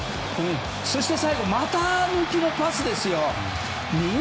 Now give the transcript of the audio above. そして、最後股抜きのパスですよ。